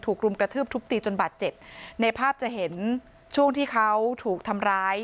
รุมกระทืบทุบตีจนบาดเจ็บในภาพจะเห็นช่วงที่เขาถูกทำร้าย